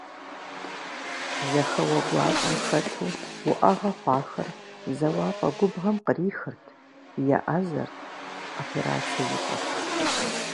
Зэхэуэ гуащӀэхэм хэту, уӀэгъэ хъуахэр зэуапӀэ губгъуэм кърихырт, еӀэзэрт, операцэ ищӀырт…